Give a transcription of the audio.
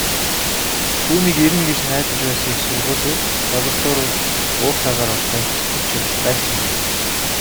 Түүнийг ирнэ гэж найдаж байсан их сургуулиуд, лабораториуд, уурхайгаар орж танилцах хүч чадал байсангүй.